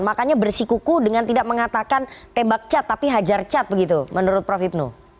makanya bersikuku dengan tidak mengatakan tembak cat tapi hajar cat begitu menurut prof hipnu